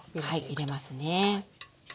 はい入れますね。